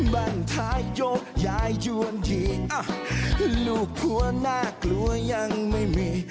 บ้านท้ายยกยายยวนทีลูกหัวน่ากลัวยังไม่มี